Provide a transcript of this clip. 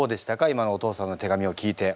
今のお父さんの手紙を聞いて。